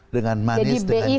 dengan manis dengan cantik